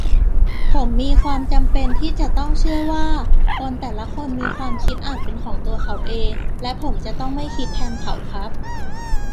ผมมีความจำเป็นที่จะต้องเชื่อว่า คนแต่ละคนมีความคิดอ่านเป็นของตัวเขาเอง และผมจะต้องไม่คิดแทนเขาครับ